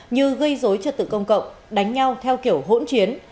như gây dối trật tự công cộng đánh nhau theo kiểu hỗn chiến